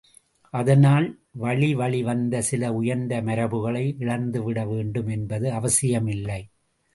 அதனால் வழிவழி வந்த சில உயர்ந்த மரபுகளை இழந்துவிட வேண்டும் என்பது அவசியமில்லை.